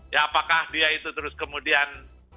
ya apakah dia itu terus kemudian